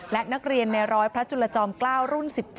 และนักเรียนในร้อยพระจุลจอม๙รุ่น๑๗